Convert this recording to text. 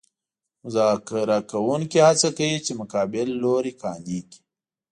مذاکره کوونکي هڅه کوي چې مقابل لوری قانع کړي